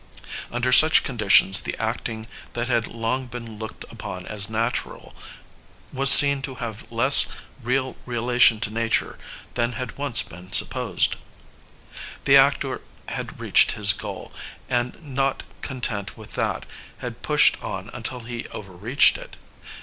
Under such conditions the acting that had long been looked upon as natural was seen to have less real relation to nature than had once been supposed. The actor had reached his goal and, not content with that, had pushed on until he overreached it.